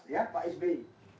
ya pak sby